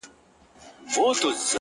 ياره وس دي نه رسي ښكلي خو ســرزوري دي;